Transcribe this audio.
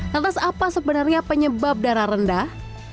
lantas apa sebenarnya penyebab darah rendah